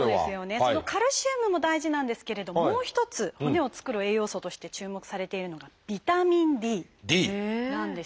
そのカルシウムも大事なんですけれどもう一つ骨を作る栄養素として注目されているのがビタミンＤなんです。